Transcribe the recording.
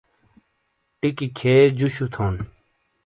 ٹیکی کھیے جُوشُو تھونڈ۔